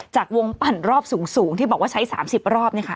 จากวงปั่นรอบสูงที่บอกว่าใช้๓๐รอบเนี่ยค่ะ